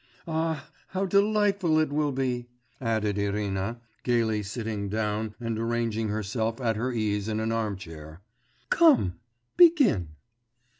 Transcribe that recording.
Ah, how delightful it will be,' added Irina, gaily sitting down and arranging herself at her ease in an armchair. 'Come, begin.